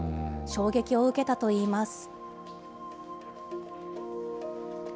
衝撃を受けたといいます。